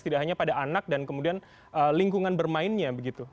tidak hanya pada anak dan kemudian lingkungan bermainnya begitu